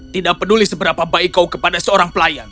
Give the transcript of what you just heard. tidak peduli seberapa baik kau kepada seorang pelayan